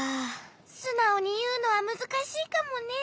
すなおにいうのはむずかしいかもね。